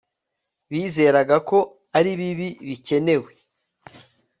Bizeraga ko ari bibi bikenewe